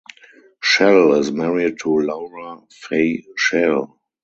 Shell is married to Laura Fay Shell.